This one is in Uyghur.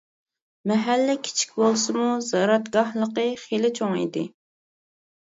مەھەللە كىچىك بولسىمۇ زاراتگاھلىقى خېلى چوڭ ئىدى.